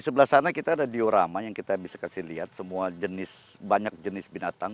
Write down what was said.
di sebelah sana kita ada diorama yang kita bisa kasih lihat semua jenis banyak jenis binatang